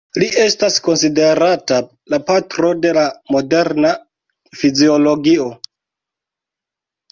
Li estas konsiderata la patro de la moderna fiziologio.